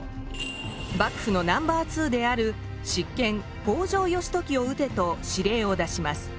幕府のナンバー２である執権・北条義時を討てと司令を出します。